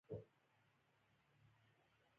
کرکټ د آسيايي هېوادو له پاره ډېر مهم دئ.